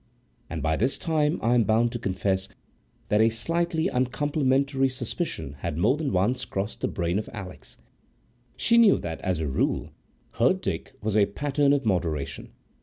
And by this time I am bound to confess that a slightly uncomplimentary suspicion had more than once crossed the brain of Alix. She knew that, as a rule, her Dick was a pattern of moderation.